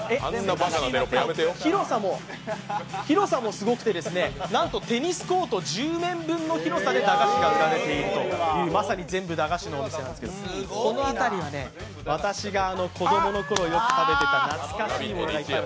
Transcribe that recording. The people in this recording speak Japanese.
広さもすごくて、なんとテニスコート１０面分の広さで駄菓子が売られているというまさに全部駄菓子のお店なんですけどこのあたりは私が子供のころ、よく食べていた懐かしいものがいっぱい。